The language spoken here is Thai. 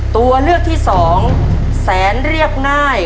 ตัวเลือกที่สองแสนเรียบง่าย